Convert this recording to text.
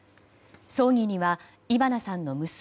葬儀にはイバナさんの娘